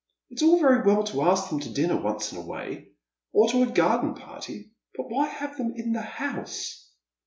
" It's all very well to ask them to dinner once in a way, or to a garden party, but why have them in the house